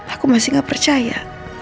aku masih gak percaya